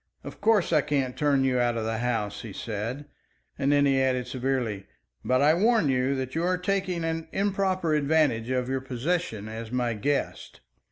"Of course, I can't turn you out of the house," he said; and he added severely, "But I warn you that you are taking an improper advantage of your position as my guest."